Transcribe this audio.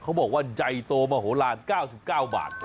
เขาบอกว่าใหญ่โตมโหลาน๙๙บาท